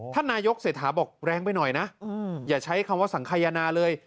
ท่านนายกเศรษฐาบอกแรงไปหน่อยนะ